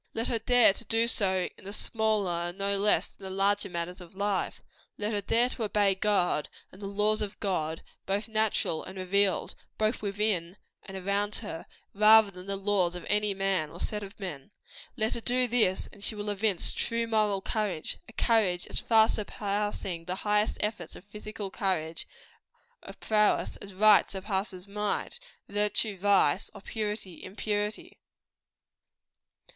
Let her dare to do so in the smaller no less than in the larger matters of life. Let her dare to obey God, and the laws of God, both natural and revealed both within and around her rather than the laws of any man or set of men. Let her do this, and she will evince true moral courage; a courage as far surpassing the highest efforts of physical courage of prowess, as right surpasses might; virtue, vice; or purity, impurity.